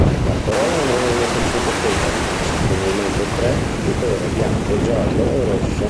La corolla ha normalmente cinque petali, eccezionalmente tre, di colore bianco, giallo o rosso.